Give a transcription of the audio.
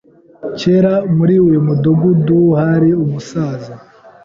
Kera, muri uyu mudugudu hari umusaza.